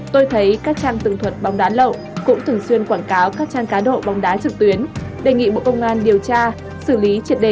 tôi thấy các trang từng thuật bóng đá lậu cũng thường xuyên quảng cáo các trang cá độ bóng đá trực tuyến đề nghị bộ công an điều tra xử lý triệt đề